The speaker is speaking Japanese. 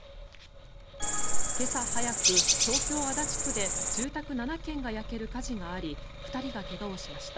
今朝早く、東京・足立区で住宅７軒が焼ける火事があり２人が怪我をしました。